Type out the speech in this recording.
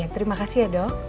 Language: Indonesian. terima kasih ya dok